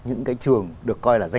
những cái trường